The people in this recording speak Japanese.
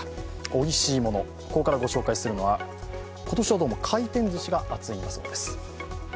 おいしいもの、ここからご紹介するのは、今年はどうも回転ずしが熱いんだそうです。